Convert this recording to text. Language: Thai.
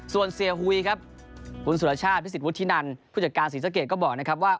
ส่วนเสียหุยครับคุณสุรชาติพิสิทธวุฒินันผู้จัดการศรีสะเกดก็บอกนะครับว่า